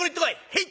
「へい！」。